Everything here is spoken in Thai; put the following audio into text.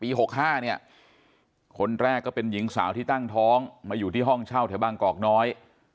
๖๕เนี่ยคนแรกก็เป็นหญิงสาวที่ตั้งท้องมาอยู่ที่ห้องเช่าแถวบางกอกน้อย